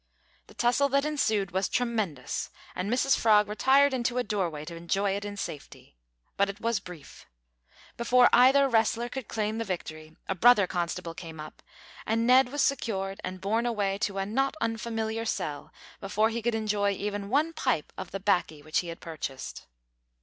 The tussle that ensued was tremendous, and Mrs Frog retired into a doorway to enjoy it in safety. But it was brief. Before either wrestler could claim the victory, a brother constable came up, and Ned was secured and borne away to a not unfamiliar cell before he could enjoy even one pipe of the "baccy" which he had purchased.